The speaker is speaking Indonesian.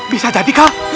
bisa jadi kak